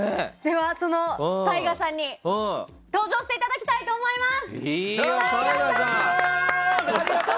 そのＴＡＩＧＡさんに登場していただきたいと思います。